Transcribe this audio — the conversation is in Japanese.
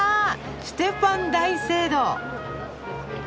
シュテファン大聖堂。